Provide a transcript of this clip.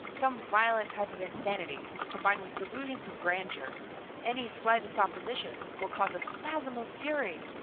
"Some violent type of insanity, combined with delusions of grandeur. Any slightest opposition will cause a spasm of fury.